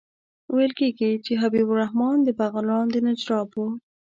ویل کېږي چې حبیب الرحمن د بغلان د نجراب وو.